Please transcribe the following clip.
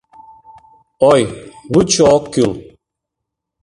Ой, лучо ок кӱл.